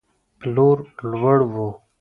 پلور لوړ و.